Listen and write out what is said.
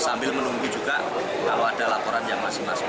sambil menunggu juga kalau ada laporan yang masih masuk